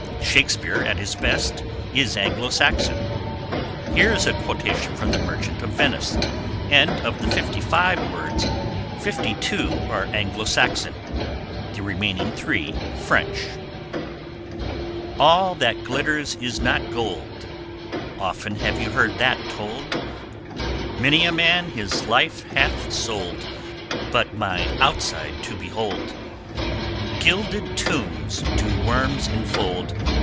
Shakespeare, at his best, is Anglo Saxon. Here is a quotation from the Merchant of Venice, and of the fifty five words fifty two are Anglo Saxon, the remaining three French: All that glitters is not gold Often have you heard that told; Many a man his life hath sold, But my outside to behold. Guilded tombs do worms infold.